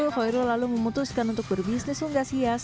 khoirul lalu memutuskan untuk berbisnis unggas hias